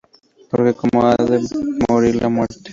Porque, ¿cómo ha de morir la Muerte?